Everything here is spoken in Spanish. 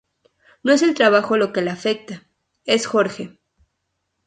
No es el trabajo lo que le afecta, es George.